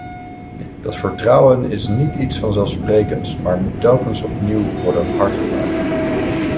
Dat vertrouwen is niet iets vanzelfsprekends, maar moet telkens opnieuw worden hard gemaakt.